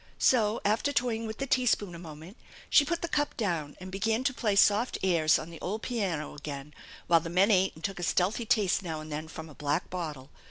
So after toying with the teaspoon a moment, she put the cup down and began to play soft airs on the old piano again whi. 3 the men ate and took a stealthy taste now and then from a black bottle.